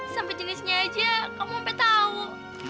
sampai jenisnya aja kamu sampe tau